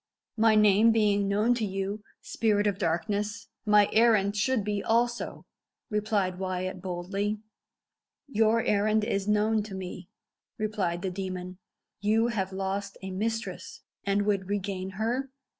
"My name being known to you, spirit of darkness, my errand should be also," replied Wyat boldly. "Your errand is known to me," replied the demon. "You have lost a mistress, and would regain her?"